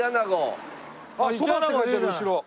あっ「そば」って書いてある後ろ。